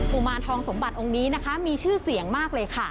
ุมารทองสมบัติองค์นี้นะคะมีชื่อเสียงมากเลยค่ะ